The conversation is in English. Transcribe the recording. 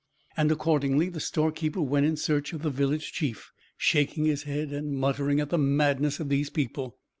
And accordingly the storekeeper went in search of the village chief, shaking his head and muttering at the madness of these people.